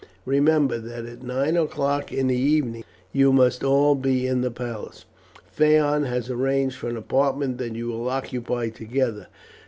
Remember that at nine o'clock in the evening you must all be in the palace. Phaon has arranged for an apartment that you will occupy together.